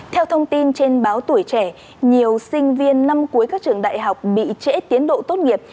theo thông tin trên báo tuổi trẻ nhiều sinh viên năm cuối các trường đại học bị trễ tiến độ tốt nghiệp